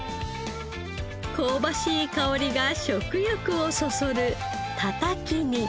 香ばしい香りが食欲をそそるたたきに。